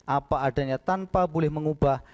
apa adanya tanpa boleh mengubah